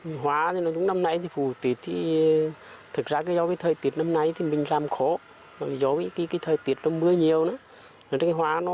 năm hai nghìn một mươi sáu thành phố vinh trồng gần chín mươi hecta hoa